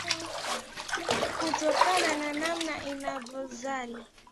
kutokana na namna inavyozali